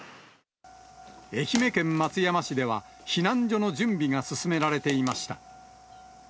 愛媛県松山市では、避難所の準備が進められていました。